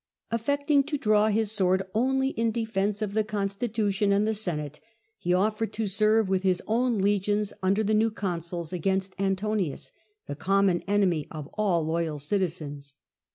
Affecting to draw his sword only in defence of the constitution and the Senate, he offered to serve with his own legions under the new consuls against Antonius, the common enemy of all loyal citizens.